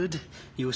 よし。